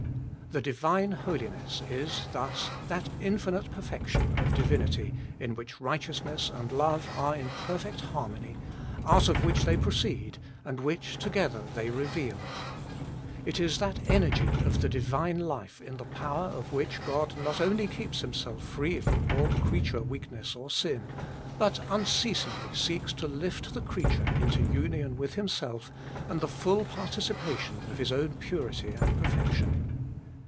The Divine Holiness is thus that infinite Perfec tion of Divinity in which Righteousness and Love are in perfect harmony, out of which they proceed, and which together they reveal. It is that Energy of the Divine life in the power of which God not only keeps Himself free from all creature weakness or sin, but unceasingly seeks to lift the creature into union with Himself and the full participation of His own purity and perfection.